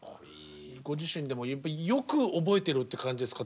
ご自身でもよく覚えてるって感じですか？